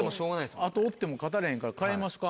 後追っても勝たれへんから変えますか。